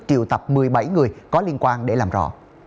triệu tập một mươi bảy người có liên quan để làm rõ